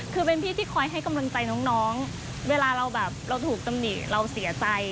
คือเป็นพี่ที่คอยให้กำลังใจน้องเวลาเราแบบเราถูกตำหนิเราเสียใจ